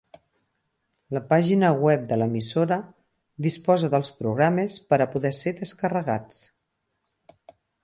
La pàgina web de l'emissora disposa dels programes per a poder ser descarregats.